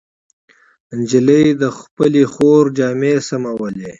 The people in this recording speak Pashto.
نجلۍ د خپلې خور جامې سمولې.